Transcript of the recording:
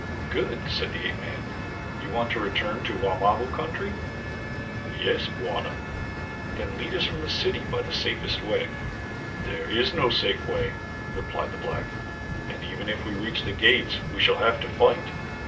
"Good," said the ape man. "You want to return to the Wamabo country?" "Yes, Bwana." "Then lead us from the city by the safest way." "There is no safe way," replied the black, "and even if we reach the gates we shall have to fight.